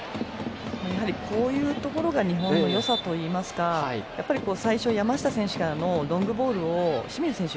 やはり、こういうところが日本のよさといいますか最初、山下選手からのロングボールを清水選手